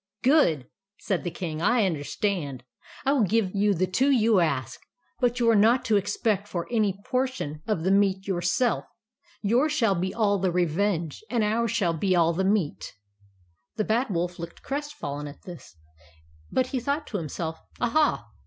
" Good !" said the King. " I understand. I will give you the two you ask ; but you are not to expect for any portion of the 148 THE ADVENTURES OF MABEL meat yourself. Yours shall be all the revenge, and ours shall be all the meat/' The Bad Wolf looked crestfallen at this ; but he thought to himself, " Aha